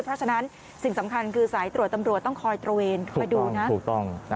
เพราะฉะนั้นสิ่งสำคัญคือสายตรวจตำรวจต้องคอยตระเวนคอยดูนะถูกต้อง